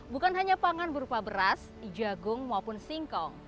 bukan hanya pangan berupa beras jagung maupun singkong